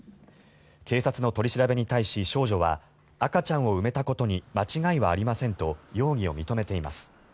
警察の取り調べに対し少女は赤ちゃんを埋めたことに間違いはありませんと容疑を認めています。